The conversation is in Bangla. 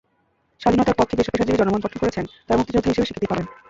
স্বাধীনতার পক্ষে যেসব পেশাজীবী জনমত গঠন করেছেন, তাঁরা মুক্তিযোদ্ধা হিসেবে স্বীকৃতি পাবেন।